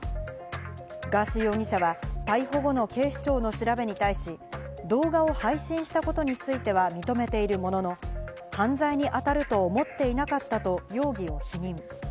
ガーシー容疑者は逮捕後の警視庁の調べに対し、動画を配信したことについては認めているものの、犯罪にあたると思っていなかったと容疑を否認。